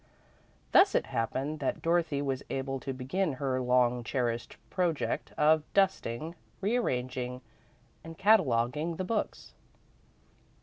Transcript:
Thus it happened that Dorothy was able to begin her long cherished project of dusting, rearranging, and cataloguing the books.